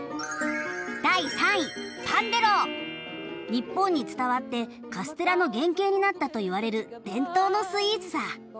日本に伝わってカステラの原型になったといわれる伝統のスイーツさ。